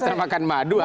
termahkan madu apa